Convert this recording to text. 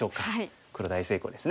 黒大成功です。